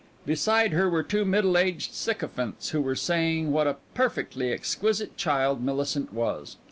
Beside her were two middle aged sycophants, who were saying what a perfectly exquisite child Millicent was.